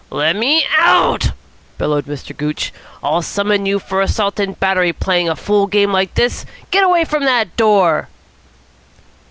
"Let me out," bellowed Mr. Gooch. "I'll summon you for assault and battery. Playing a fool game like this! Get away from that door."